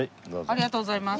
ありがとうございます。